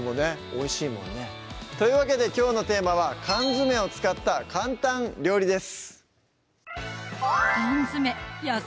おいしいもんねというわけできょうのテーマは「缶詰を使った簡単料理」です